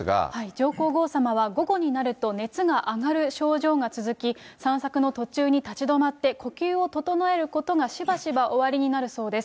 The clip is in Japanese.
上皇后さまは、午後になると熱が上がる症状が続き、散策の途中に立ち止まって、呼吸を整えることがしばしばおありになるそうです。